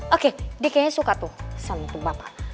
oke dikayanya suka tuh